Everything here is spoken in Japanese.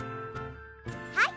はい。